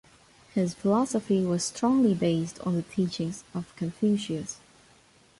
His philosophy was strongly based on the teachings of Confucius.